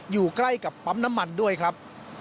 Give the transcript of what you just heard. อยู่ใกล้กับปั๊มน้ำมันด้วยครับ